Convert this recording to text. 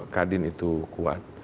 kadin itu kuat